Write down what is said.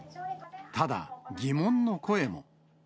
ただ疑問の声も。